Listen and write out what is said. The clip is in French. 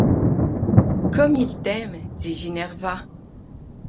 Comme il t’aime ! dit Ginevra.